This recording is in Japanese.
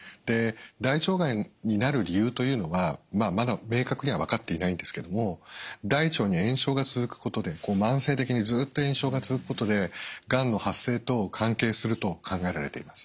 大腸がんになる理由というのはまだ明確には分かっていないんですけども大腸に炎症が続くことで慢性的にずっと炎症が続くことでがんの発生と関係すると考えられています。